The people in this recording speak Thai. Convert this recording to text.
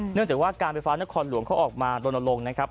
เนื่องจากว่าการไฟฟ้านครหลวงเขาออกมารณรงค์นะครับ